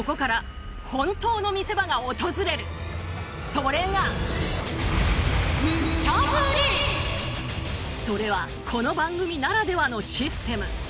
それがそれはこの番組ならではのシステム。